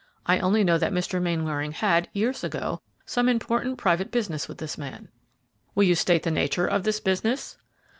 I only know that Mr. Mainwaring had, years ago, some important private business with this man." "Will you state the nature of this business?"